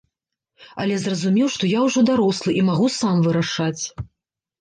Але зразумеў, што я ўжо дарослы і магу сам вырашаць.